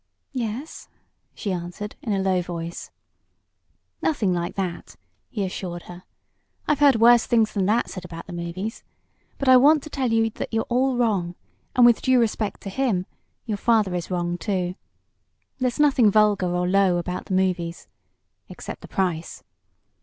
"Yes," she answered, in a low voice. "Nothing like that!" he assured her. "I've heard worse things than that said about the movies. But I want to tell you that you're wrong, and, with all due respect to him, your father is wrong too. There's nothing vulgar or low about the movies except the price."